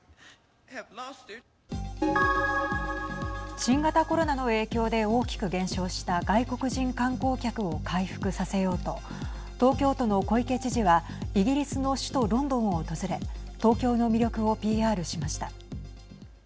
新型コロナの影響で大きく減少した外国人観光客を回復させようと東京都の小池知事はイギリスの首都ロンドンを訪れ東京の魅力をＰＲしました。